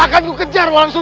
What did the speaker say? akan kukejar orang susah